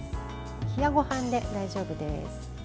冷やごはんで大丈夫です。